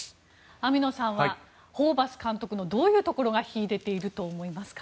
網野さんはホーバス監督のどういうところが秀でていると思いますか。